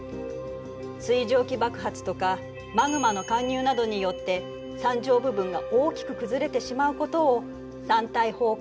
水蒸気爆発とかマグマの貫入などによって山頂部分が大きく崩れてしまうことを山体崩壊というのよ。